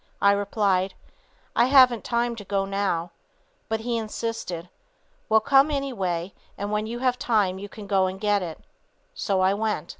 I replied: "I haven't time to go now," but he insisted, "Well, come anyway and when you have time you can go and get it." So I went.